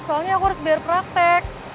soalnya aku harus bayar praktek